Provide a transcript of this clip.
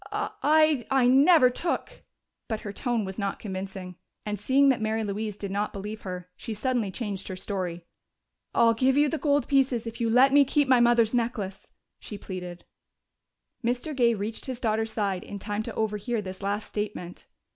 Uh I never took " But her tone was not convincing, and seeing that Mary Louise did not believe her, she suddenly changed her story. "I'll give you the gold pieces if you let me keep my mother's necklace," she pleaded. Mr. Gay reached his daughter's side in time to overhear this last statement.